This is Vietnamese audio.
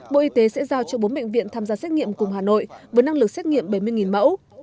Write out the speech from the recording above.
bộ y tế sẽ giao cho bốn bệnh viện tham gia xét nghiệm cùng hà nội với năng lực xét nghiệm bảy mươi mẫu